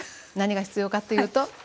何が必要かというと。